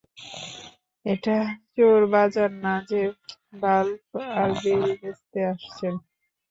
এটা চোর বাজার না যে, বাল্ব আর বেল বেচতে আসছেন।